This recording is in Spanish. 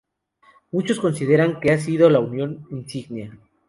Muchos consideran que ha sido la unión insignia.